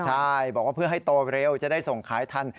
ใช่บอกว่าเพื่อให้โตเร็วจะได้ส่งขายทัน